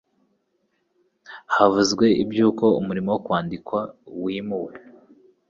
Havuzwe iby'uko umurimo wo kwandika wimuwe